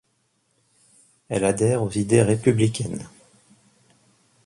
Elle adhère aux idées républicaines.